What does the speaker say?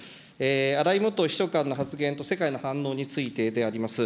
荒井元秘書官の発言と世界の反応についてであります。